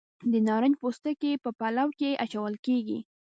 د نارنج پوستکي په پلو کې اچول کیږي.